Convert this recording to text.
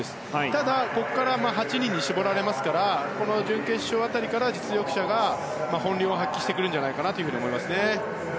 ただ、ここから８人に絞られますから準決勝辺りから実力者が本領を発揮してくるんじゃないかなと思います。